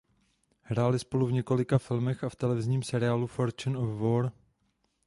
Hráli spolu v několika filmech a v televizním seriálu Fortune of War.